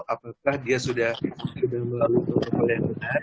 apakah dia sudah melalui protokol yang benar